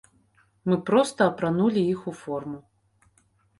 Мы проста апранулі іх у форму.